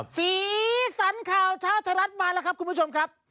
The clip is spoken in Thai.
สีสันข่าวเช้าไทยรัฐมาแล้วครับคุณผู้ชมครับ